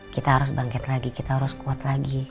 kita harus bangkit lagi kita harus kuat lagi